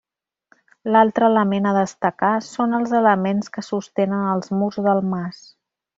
L'altre element a destacar són els elements que sostenen els murs del mas.